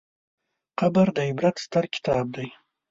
قبر د عبرت ستر کتاب دی.